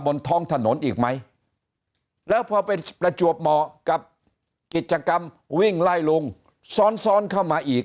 บนท้องถนนอีกไหมแล้วพอเป็นประจวบเหมาะกับกิจกรรมวิ่งไล่ลุงซ้อนซ้อนเข้ามาอีก